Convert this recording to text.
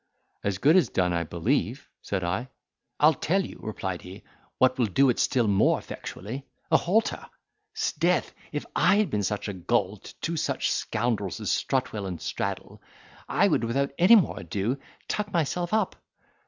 "As good as done. I believe," said I. "I'll tell you," replied he, "what will do it still more effectually—a halter! 'Sdeath! if I had been such a gull to two such scoundrels as Strutwell and Straddle, I would, without any more ado, tuck myself up."